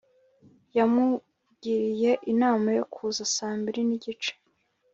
yamugiriye inama yo kuza saa mbiri n'igice